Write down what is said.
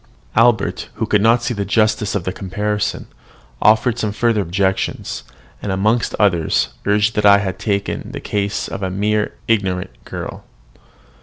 '" Albert, who could not see the justice of the comparison, offered some further objections, and, amongst others, urged that I had taken the case of a mere ignorant girl.